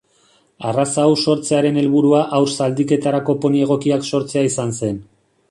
Arraza hau sortzearen helburua haur-zaldiketarako poni egokiak sortzea izan zen.